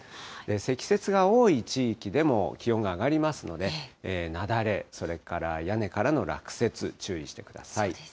積雪が多い地域でも気温が上がりますので、雪崩、それから屋根からの落雪、注意してください。